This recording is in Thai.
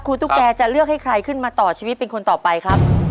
ตุ๊กแกจะเลือกให้ใครขึ้นมาต่อชีวิตเป็นคนต่อไปครับ